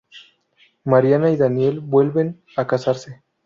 Mariana y Daniel vuelven a casarse.